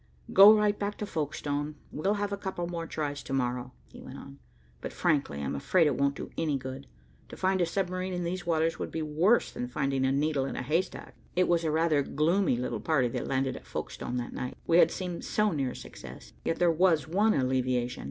"Go right back to Folkestone. We'll have a couple more tries to morrow," he went on. "But, frankly, I'm afraid it won't do any good. To find a submarine in these waters would be worse than finding a needle in a haystack." It was a rather gloomy little party that landed at Folkestone that night. We had seemed so near success. Yet there was one alleviation.